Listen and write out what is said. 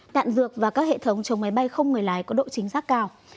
đạn dược và các hệ thống chống máy bay không người lái có độ chính xác cao